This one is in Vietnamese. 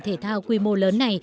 thể thao quy mô lớn